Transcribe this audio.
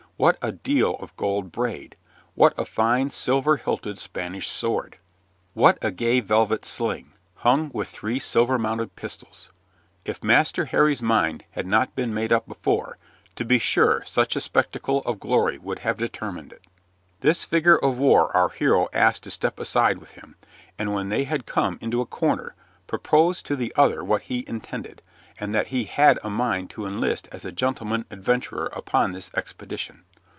What a deal of gold braid! What a fine, silver hilted Spanish sword! What a gay velvet sling, hung with three silver mounted pistols! If Master Harry's mind had not been made up before, to be sure such a spectacle of glory would have determined it. This figure of war our hero asked to step aside with him, and when they had come into a corner, proposed to the other what he intended, and that he had a mind to enlist as a gentleman adventurer upon this expedition.